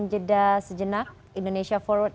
jeda sejenak indonesia forward